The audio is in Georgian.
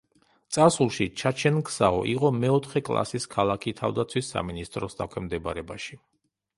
წარსულში, ჩაჩენგსაო იყო მეოთხე კლასის ქალაქი თავდაცვის სამინისტროს დაქვემდებარებაში.